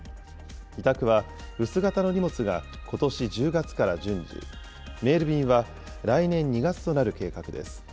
委託は、薄型の荷物がことし１０月から順次、メール便は来年２月となる計画です。